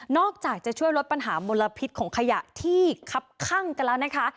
อกจากจะช่วยลดปัญหามลพิษของขยะที่คับข้างกันแล้วนะคะ